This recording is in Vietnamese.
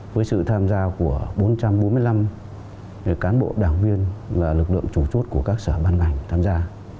với sự tham gia của bốn trăm bốn mươi năm cán bộ đảng viên là lực lượng chủ chốt của các sở ban ngành tham gia